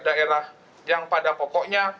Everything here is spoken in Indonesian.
daerah yang pada pokoknya